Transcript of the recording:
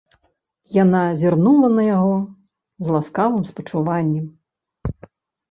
Яна зірнула на яго з ласкавым спачуваннем.